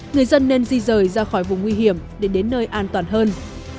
người dân nên di rời ra khỏi vùng nguy hiểm để đến nơi an toàn hơn